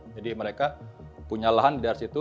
jadi mereka punya lahan di daerah situ